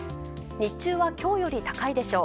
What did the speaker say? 日中は、今日より高いでしょう。